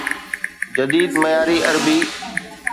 جديد معياري عربي